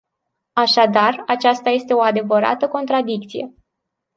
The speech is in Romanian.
Așadar, aceasta este o adevărată contradicție.